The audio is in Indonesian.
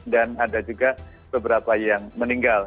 dan ada juga beberapa yang meninggal